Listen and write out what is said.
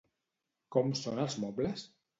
Com són els mobles?